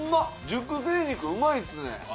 熟成肉うまいですね。